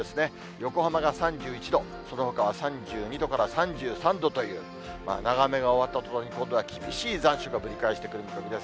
横浜が３１度、そのほかは３２度から３３度という、長雨が終わったとたんに今度は厳しい残暑がぶり返してくる見込みです。